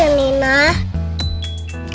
udah lama bangut